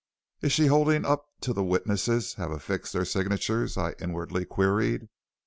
"'Is she holding up till the witnesses have affixed their signatures?' I inwardly queried.